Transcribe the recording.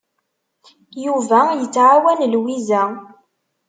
Yuba yettɛawan Lwiza.